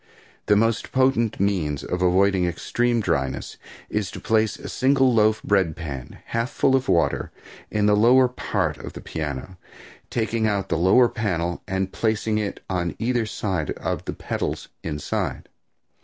The most potent means of avoiding extreme dryness is to place a single loaf bread pan half full of water in the lower part of the piano, taking out the lower panel and placing it on either side of the pedals inside.